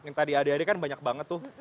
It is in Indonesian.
yang tadi adik adik kan banyak banget tuh